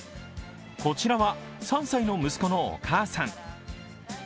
こちらは、３歳の息子のお母さん。